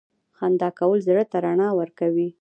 • خندا کول زړه ته رڼا ورکوي.